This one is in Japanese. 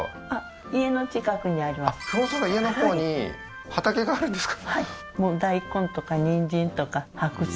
麓の家のほうに畑があるんですか？